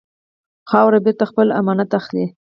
خاوره بېرته خپل امانت اخلي.